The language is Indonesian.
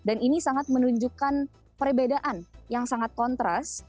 dan ini sangat menunjukkan perbedaan yang sangat kontras